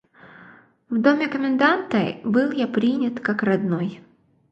В доме коменданта был я принят как родной.